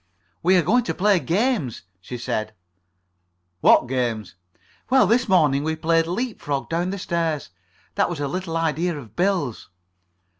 "We are going to play games," she said. "What games?" "Well, this morning we played leap frog down the stairs. That was a little idea of Bill's."